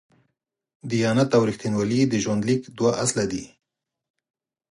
دیانت او رښتینولي د ژوند لیک دوه اصله دي.